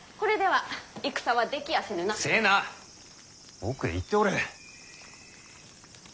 奥へ行っておれ。